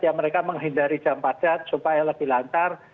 ya mereka menghindari jam padat supaya lebih lancar